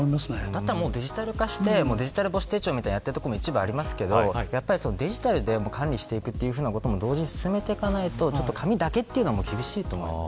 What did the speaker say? だったらデジタル化してデジタル母子手帳みたいなのをやっているところもありますけどデジタルで管理していくということも、同時に進めていかないと紙だけというのも厳しいと思います。